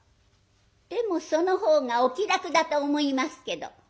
「でもそのほうがお気楽だと思いますけど」。